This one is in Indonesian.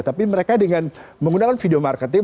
tapi mereka dengan menggunakan video marketing